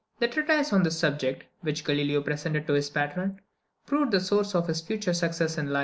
The treatise on this subject, which Galileo presented to his patron, proved the source of his future success in life.